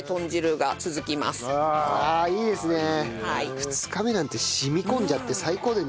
２日目なんて染み込んじゃって最高だよ。